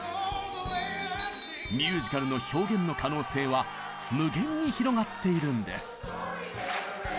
ミュージカルの表現の可能性は無限に広がっているんです。